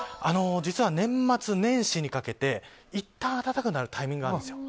実は、年末年始にかけていったん暖かくなるタイミングなんです。